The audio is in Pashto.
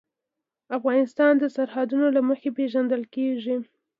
افغانستان د سرحدونه له مخې پېژندل کېږي.